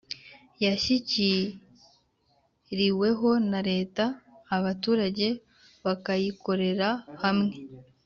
yashyiriweho na leta, abaturage bakayikorera hamwe